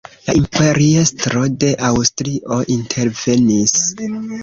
La imperiestro de Aŭstrio intervenis.